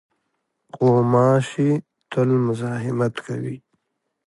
غوماشې تل مزاحمت کوي.